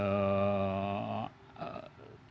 terhadap kelompok kelompok yang selama ini